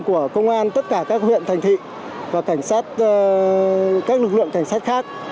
của công an tất cả các huyện thành thị và cảnh sát các lực lượng cảnh sát khác